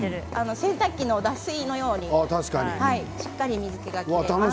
洗濯機の脱水のようにしっかり水けが切れます。